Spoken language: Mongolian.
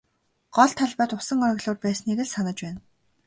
Гол талбайд усан оргилуур байсныг л санаж байна.